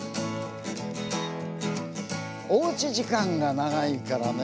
おうち時間が長いからね